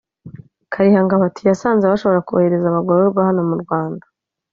Kalihangabo ati “ Yasanze bashobora kohereza abagororwa hano mu Rwanda